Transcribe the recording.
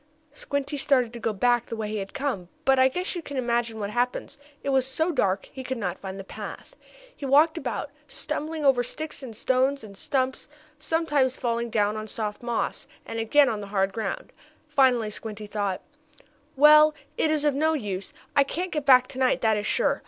Squinty started to go back the way he had come, but I guess you can imagine what happened. It was so dark he could not find the path. He walked about, stumbling over sticks and stones and stumps, sometimes falling down on soft moss, and again on the hard ground. Finally Squinty thought: "Well, it is of no use. I can't get back tonight, that is sure.